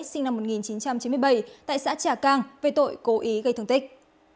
sinh năm một nghìn chín trăm chín mươi bảy tại xã trà cang về tội cố ý gây thương tích